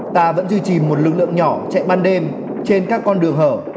ta vẫn duy trì một lực lượng nhỏ chạy ban đêm trên các con đường hở